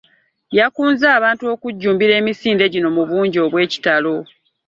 Yakunze abantu okujjumbira emisinde gino mu bungi obw'ekitalo.